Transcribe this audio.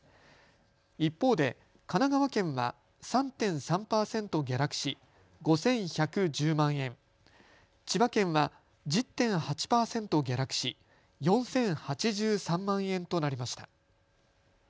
一方で神奈川県は３．３％下落し５１１０万円、千葉県は１０．８％下落し４０８３万円となりました。